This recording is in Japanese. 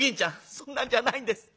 「そんなんじゃないんです。